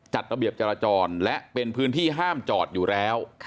จัดระเบียบจราจรและเป็นพื้นที่ห้ามจอดอยู่แล้ว